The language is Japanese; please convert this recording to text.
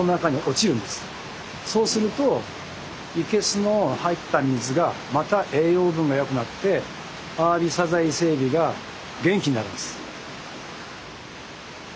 そうすると生けすの入った水がまた栄養分が良くなってアワビサザエ伊勢エビが元気になるんです。